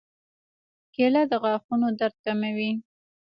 کېله د غاښونو درد کموي.